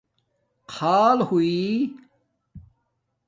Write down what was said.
خآل ہوئ